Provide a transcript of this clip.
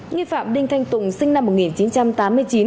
nghi phạm đinh thanh tùng sinh năm một nghìn chín trăm tám mươi chín